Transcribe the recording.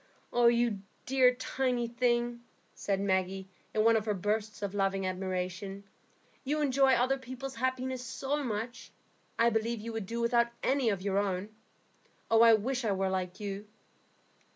"You dear, tiny thing," said Maggie, in one of her bursts of loving admiration, "you enjoy other people's happiness so much, I believe you would do without any of your own. I wish I were like you."